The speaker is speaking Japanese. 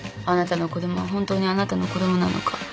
あなたの子供は本当にあなたの子供なのか。